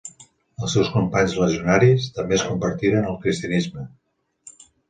Els seus companys legionaris, també es convertiren al cristianisme.